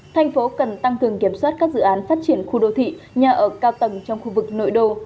thành phố cần tăng cường kiểm soát các dự án phát triển khu đô thị nhà ở cao tầng trong khu vực nội đô